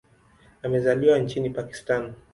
Amezaliwa nchini Pakistan.